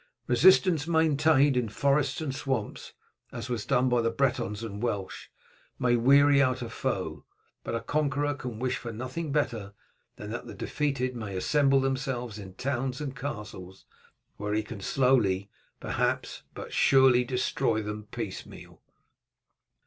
Resistance maintained in forests and swamps, as was done by the Bretons and Welsh, may weary out a foe, but a conqueror can wish for nothing better than that the defeated may assemble themselves in towns and castles, where he can slowly, perhaps, but surely destroy them piecemeal."